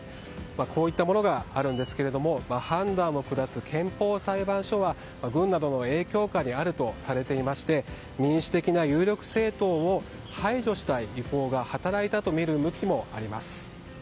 こういったものがあるんですが判断を下す憲法裁判所は軍などの影響下にあるとされていまして民主的な有力政党を排除したい意向が働いたとみる向きもあります。